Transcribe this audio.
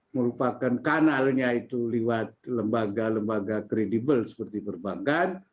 merupakan kanalnya itu lewat lembaga lembaga kredibel seperti perbankan